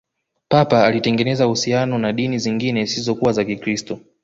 papa alitengeneza uhusiano na dini zingine zisizokuwa wa kikristo